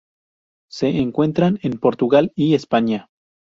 Se encuentran en Portugal y España.